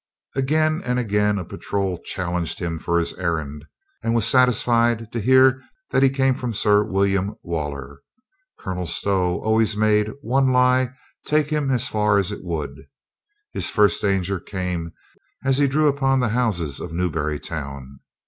Again and again a patrol challenged him for his errand and was satisfied to hear that he came from Sir William Waller. Colonel Stow always made one lie take him as far as it would. His first dan ger came as he drew upon the houses of Newbury town.